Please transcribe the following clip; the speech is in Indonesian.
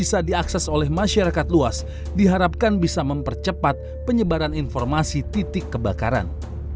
bisa diakses oleh masyarakat luas diharapkan bisa mempercepat penyebaran informasi titik kebakaran